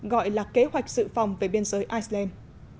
gọi là kế hoạch dự phòng về biên giới iceland